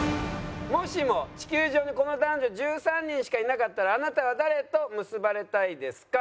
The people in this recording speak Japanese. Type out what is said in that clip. もしも地球上にこの男女１３人しかいなかったらあなたは誰と結ばれたいですか？